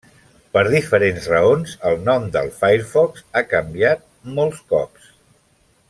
Per diferents raons el nom del Firefox ha canviat molts cops.